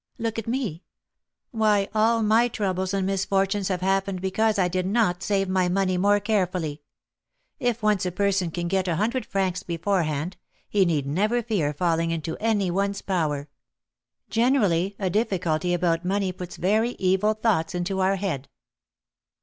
Look at me: why, all my troubles and misfortunes have happened because I did not save my money more carefully. If once a person can get a hundred francs beforehand, he need never fear falling into any one's power; generally, a difficulty about money puts very evil thoughts into our head."